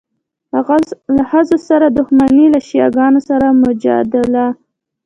له ښځو سره دښمني، له شیعه ګانو سره مجادله.